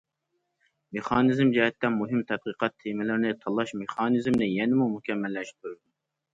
مېخانىزم جەھەتتە، مۇھىم تەتقىقات تېمىلىرىنى تاللاش مېخانىزمىنى يەنىمۇ مۇكەممەللەشتۈرىدۇ.